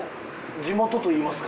地元といいますか。